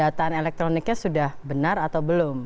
e voting elektroniknya sudah benar atau belum